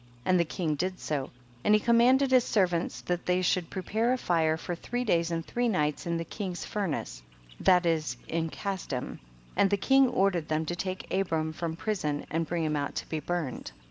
And the king did so, and he commanded his ser vants that they should prepare a fire for three days and three nights in the king's furnace, that is in Casdim ; and the king ordered them to take Abram from prison and bring him out to be burned.